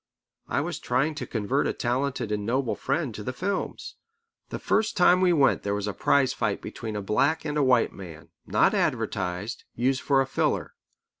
I was trying to convert a talented and noble friend to the films. The first time we went there was a prize fight between a black and a white man, not advertised, used for a filler.